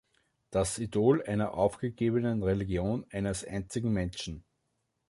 Das Idol einer aufgegebenen Religion eines einzigen Menschen.